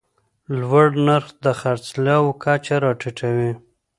لوړ نرخ د خرڅلاو کچه راټیټوي.